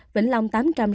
vĩnh long tám trăm sáu mươi